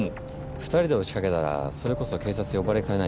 ２人で押しかけたらそれこそ警察呼ばれかねないでしょ。